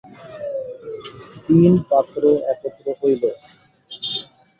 তিন পাত্র একত্র হইল।